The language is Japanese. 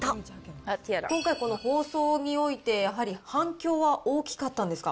今回、この放送において、やはり反響は大きかったんですか。